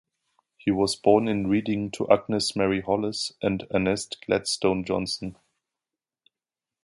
He was born in Reading to Agnes Mary Hollis and Ernest Gladstone Johnson.